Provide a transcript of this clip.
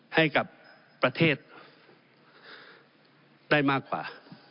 ให้กับประเทศได้มากกว่า